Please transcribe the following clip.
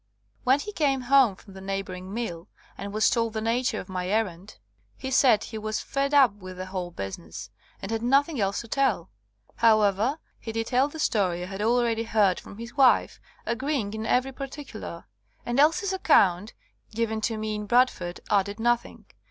When he came home from the neighbour ing mill, and was told the nature of my errand, he said he was "fed up" with the whole business, and had nothing else to tell. However, he detailed the story I had already 65 THE COMING OF THE FAIRIES heard from his wife, agreeing in every par ticular, and Elsie's account, given to me in Bradford, added nothing.